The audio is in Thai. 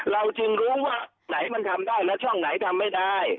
เราจึงรู้ว่าไหนมันทำได้และช่องไหนทำไม่ได้